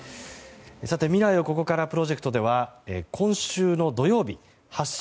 未来をここからプロジェクトでは今週の土曜日「発進！